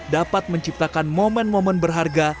dapat menciptakan momen momen berharga